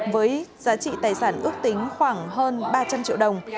với giá trị tài sản ước tính khoảng hơn ba trăm linh triệu đồng